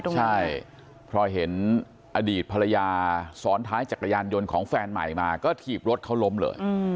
ใช่พอเห็นอดีตภรรยาซ้อนท้ายจักรยานยนต์ของแฟนใหม่มาก็ถีบรถเขาล้มเลย